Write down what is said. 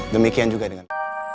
demikian juga dengan